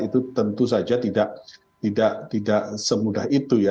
itu tentu saja tidak semudah itu ya